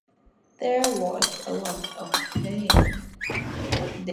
There was a lot of pain.